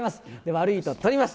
悪いと取ります。